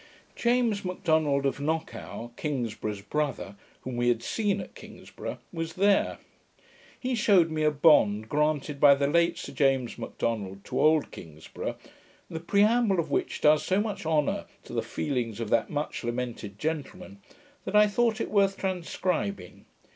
James Macdonald, of Knockow, Kingsburgh's brother, whom we had seen at Kingsburgh, was there. He shewed me a bond granted by the late Sir James Macdonald, to old Kingsburgh, the preamble of which does so much honour to the feelings of that much lamented gentleman, that I thought it worth transcribing.